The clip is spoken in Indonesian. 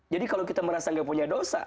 jadi kalau kita merasa gak punya dosa